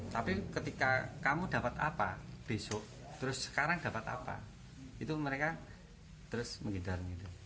tapi ketika kamu dapat apa besok terus sekarang dapat apa itu mereka terus menghidar